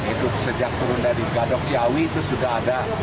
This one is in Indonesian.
itu sejak turun dari gadok ciawi itu sudah ada